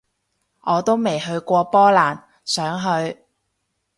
我都未去過波蘭，想去